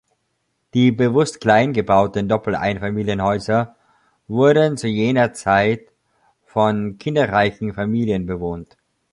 Die bewusst klein gebauten Doppel-Einfamilienhäuser wurden zu jener Zeit von kinderreichen Familien bewohnt.